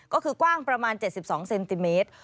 ก็คือกว้างประมาณ๗๒เซนติเมตร